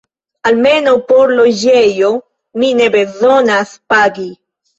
Almenaŭ por loĝejo ni ne bezonas pagi.